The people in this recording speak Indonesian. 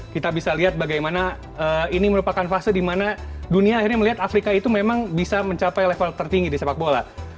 kita bisa lihat bagaimana ini merupakan fase di mana dunia akhirnya melihat afrika itu memang bisa mencapai level tertinggi di sepak bola